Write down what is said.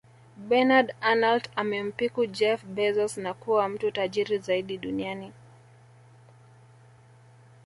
Bernard Arnault amempiku Jeff Bezos na kuwa mtu tajiri zaidi duniani